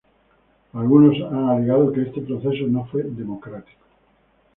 Algunos han alegado que este proceso no fue democrático.